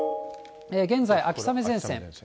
現在、秋雨前線。